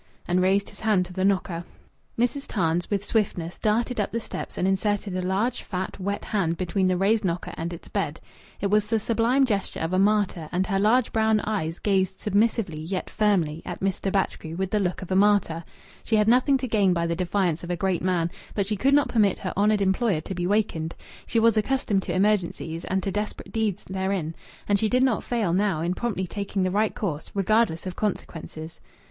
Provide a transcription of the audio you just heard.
And raised his hand to the knocker. Mrs. Tarns with swiftness darted up the steps and inserted a large, fat, wet hand between the raised knocker and its bed. It was the sublime gesture of a martyr, and her large brown eyes gazed submissively, yet firmly, at Mr. Batchgrew with the look of a martyr. She had nothing to gain by the defiance of a great man, but she could not permit her honoured employer to be wakened. She was accustomed to emergencies, and to desperate deeds therein, and she did not fail now in promptly taking the right course, regardless of consequences.